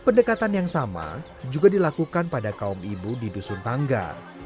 pendekatan yang sama juga dilakukan pada kaum ibu di dusun tangga